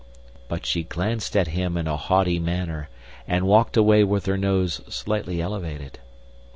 But she glanced at him in a haughty manner, and walked away with her nose slightly elevated.